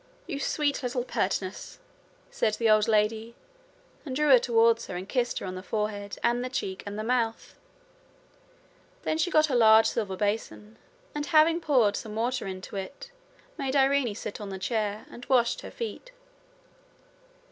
'You sweet little pertness!' said the old lady, and drew her towards her, and kissed her on the forehead and the cheek and the mouth. Then she got a large silver basin, and having poured some water into it made Irene sit on the chair, and washed her feet.